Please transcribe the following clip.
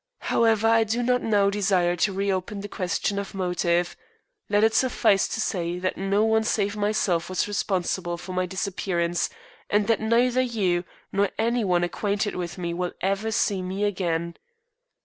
However, I do not now desire to reopen the question of motive; let it suffice to say that no one save myself was responsible for my disappearance, and that neither you nor any one acquainted with me will ever see me again.